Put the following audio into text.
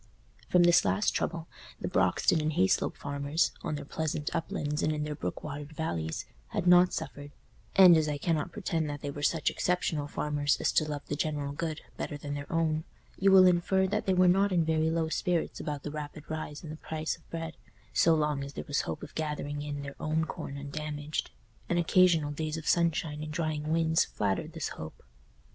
From this last trouble the Broxton and Hayslope farmers, on their pleasant uplands and in their brook watered valleys, had not suffered, and as I cannot pretend that they were such exceptional farmers as to love the general good better than their own, you will infer that they were not in very low spirits about the rapid rise in the price of bread, so long as there was hope of gathering in their own corn undamaged; and occasional days of sunshine and drying winds flattered this hope.